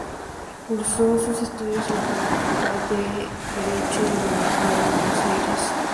Cursó sus estudios en la Facultad de Derecho de la Universidad de Buenos Aires.